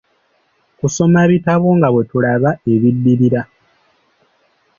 Kusoma bitabo nga bwe tulaba ebiddirira.